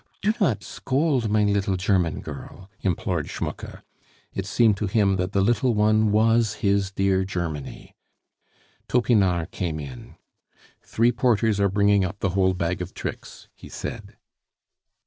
"Do not scold mein liddle German girl," implored Schmucke. It seemed to him that the little one was his dear Germany. Topinard came in. "Three porters are bringing up the whole bag of tricks," he said.